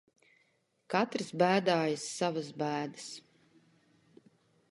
Katrs bēdājas savas bēdas.